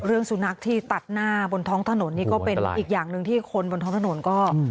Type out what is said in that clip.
เรื่องสุนัขที่ตัดหน้าบนท้องถนนนี่ก็เป็นอีกอย่างหนึ่งที่คนบนท้องถนนก็